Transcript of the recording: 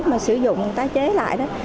mà sử dụng tái chế lại đó